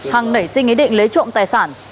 hằng nảy sinh ý định lấy trộm tài sản